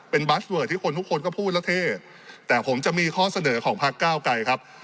เป็นบาสเวิร์ดที่คนทุกคนก็พูดแล้วเท่แต่ผมจะมีข้อเสนอของพักเก้าไกรครับ